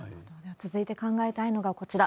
続いて考えたいのがこちら。